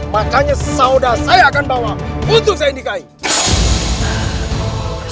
makanya saudara saya akan bawa untuk saya indikai